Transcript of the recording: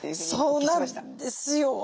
そうなんですよ。